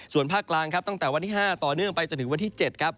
ส่วนภาคกลางครับตั้งแต่วันที่๕ต่อเนื่องไปจนถึงวันที่๗ครับ